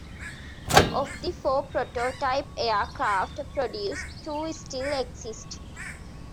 Of the four prototype aircraft produced, two still exist.